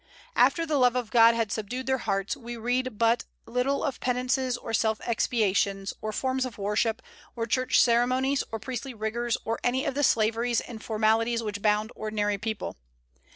After the love of God had subdued their hearts, we read but little of penances, or self expiations, or forms of worship, or church ceremonies, or priestly rigors, or any of the slaveries and formalities which bound ordinary people.